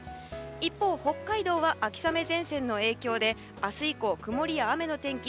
一方、北海道は秋雨前線の影響で明日以降、曇りや雨の天気。